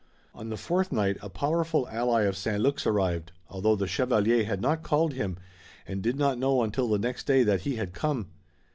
On the fourth night a powerful ally of St. Luc's arrived, although the chevalier had not called him, and did not know until the next day that he had come.